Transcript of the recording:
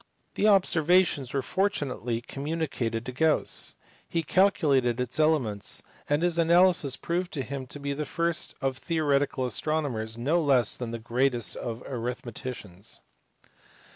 The observations were fortu nately communicated to Gauss ; he calculated its elements, and his analysis proved him to be the first of theoretical astro nomers no less than the greatest of " arithmeticians."